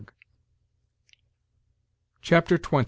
CHAPTER XX.